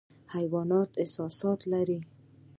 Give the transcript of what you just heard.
حیوانات احساسات لري